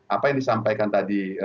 apa yang disampaikan tadi